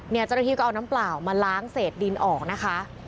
เจ้าหน้าที่ก็เอาน้ำเปล่ามาล้างเศษดินออกนะคะ